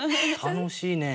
楽しいね。